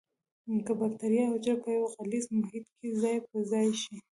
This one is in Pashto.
که بکټریا حجره په یو غلیظ محیط کې ځای په ځای شي.